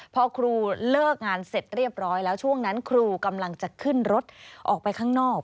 พอครูเลิกงานเสร็จเรียบร้อยแล้วช่วงนั้นครูกำลังจะขึ้นรถออกไปข้างนอก